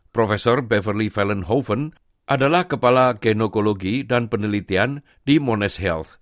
profesor beverly velenhoven adalah kepala genokologi dan penelitian di monash health